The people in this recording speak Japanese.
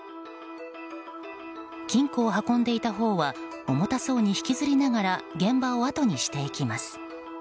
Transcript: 金庫を運んでいたほうは重たそうに引きずりながら現場をあとにしていきます。